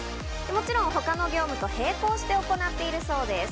もちろん他の業務と並行して行っているそうです。